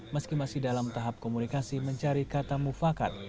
meski masih dalam tahap komunikasi mencari kata mufakat